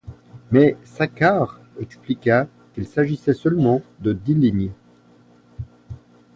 Mais Saccard expliqua qu'il s'agissait seulement de dix lignes.